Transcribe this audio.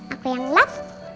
aku yang lap